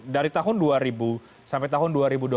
dari tahun dua ribu sampai tahun dua ribu dua puluh